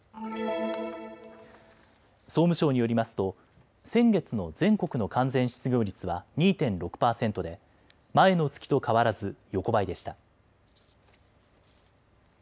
総務省によりますと先月の全国の完全失業率は２．６％で前の月と変わらず横ばいでした。